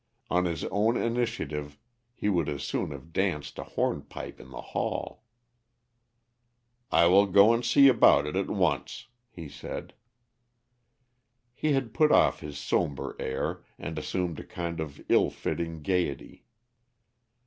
On his own initiative he would as soon have danced a hornpipe in the hall. "I will go and see about it at once," he said. He had put off his somber air, and assumed a kind of ill fitting gayety.